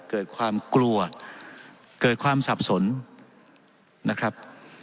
เกิดความกลัวเกิดความสับสนนะครับ